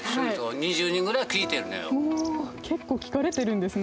結構聞かれてるんですね。